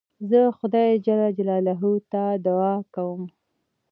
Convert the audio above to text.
زه خدای جل جلاله ته دؤعا کوم.